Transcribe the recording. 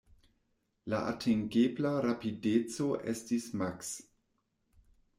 La atingebla rapideco estis maks.